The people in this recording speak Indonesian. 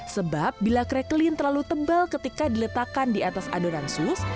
sebab bila crequeline terlalu tebal ketika diletakkan di atas adonan sus